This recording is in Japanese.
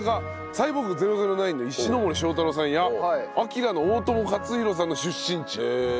『サイボーグ００９』の石ノ森章太郎さんや『ＡＫＩＲＡ』の大友克洋さんの出身地でもあるんですね。